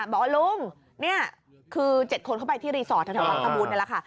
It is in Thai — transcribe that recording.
บอกว่าลุงนี่คือ๗คนเข้าไปที่รีสอร์ทแถววังตะบูรณนี่แหละค่ะ